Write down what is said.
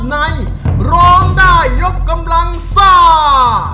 ในร้องได้ยกกำลังซ่า